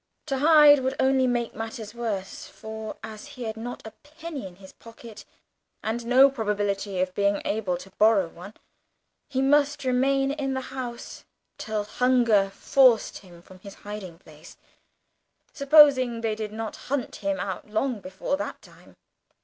To hide would only make matters worse, for, as he had not a penny in his pocket, and no probability of being able to borrow one, he must remain in the house till hunger forced him from his hiding place supposing they did not hunt him out long before that time.